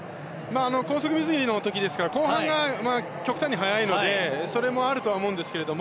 高速水着の時ですから後半が極端に速いのでそれもあるとは思うんですが。